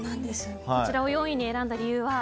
こちらを４位に選んだ理由は？